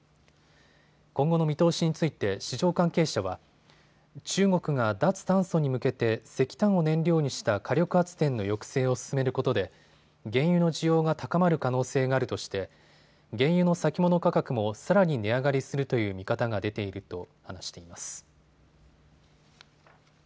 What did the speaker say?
今後の見通しについて市場関係者は中国が脱炭素に向けて石炭を燃料にした火力発電の抑制を進めることで原油の需要が高まる可能性があるとして原油の先物価格もさらに値上がりするという見方が出ていると話しています。